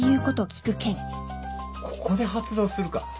ここで発動するか